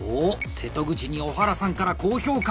瀬戸口に小原さんから高評価！